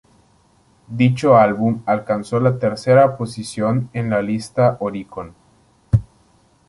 Dicho álbum alcanzó la tercera posición en la lista "Oricon".